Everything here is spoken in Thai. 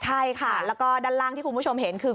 ใช่ค่ะแล้วก็ด้านล่างที่คุณผู้ชมเห็นคือ